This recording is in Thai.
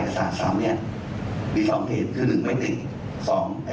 เวลาส่องไปใกล้เนี่ยมันจะเห็นเป็นสีเหลืองสะท้อนขึ้นมา